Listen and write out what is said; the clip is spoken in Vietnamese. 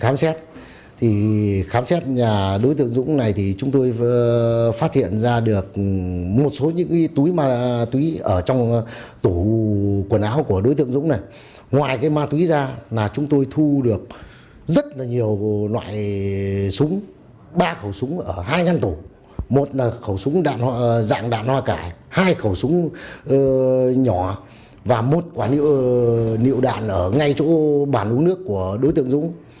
một là khẩu súng dạng đạn hoa cải hai khẩu súng nhỏ và một quả niệu đạn ở ngay chỗ bàn uống nước của đối tượng dũng